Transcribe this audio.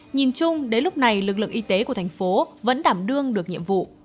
nhìn chung đến lúc này lực lượng y tế của thành phố vẫn đảm đương được nhiệm vụ